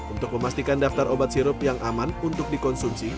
untuk memastikan daftar obat sirup yang aman untuk dikonsumsi